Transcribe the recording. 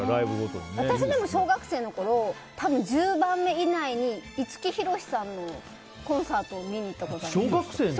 私、小学生のころ１０番目以内で五木ひろしさんのコンサートに行ったことがある。